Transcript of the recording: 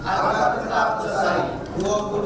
agar tetap bersaing